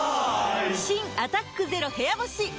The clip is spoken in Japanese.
新「アタックＺＥＲＯ部屋干し」解禁‼